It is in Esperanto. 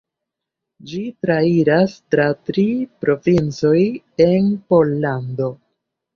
Ĝi trairas tra tri provincoj en Pollando.